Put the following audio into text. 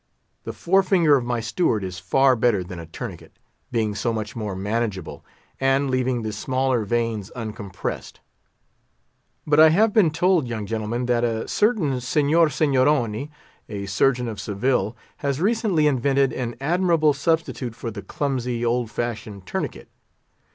The forefinger of my steward is far better than a tourniquet, being so much more manageable, and leaving the smaller veins uncompressed. But I have been told, young gentlemen, that a certain Seignior Seignioroni, a surgeon of Seville, has recently invented an admirable substitute for the clumsy, old fashioned tourniquet.